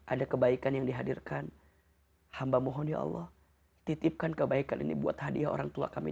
ada kebaikan yang dihadirkan hamba mohon ya allah titipkan kebaikan ini buat hadiah orang tua kami